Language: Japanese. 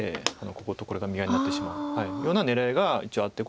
こことこれが見合いになってしまうような狙いが一応あって。